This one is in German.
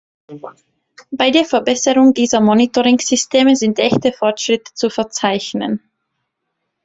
Bei der Verbesserung dieser Monitoring-Systeme sind echte Fortschritte zu verzeichnen.